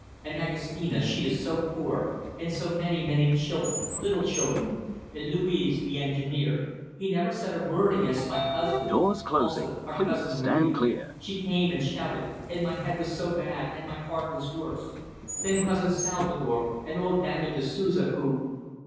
And Aghostina she is so poor ... and so many, many children little children. And Luiz the engineer. He never said a word against my husband. Also our cousin Maria. She came and shouted, and my head was so bad, and my heart was worse. Then cousin Salvator and old Daniel da Souza, who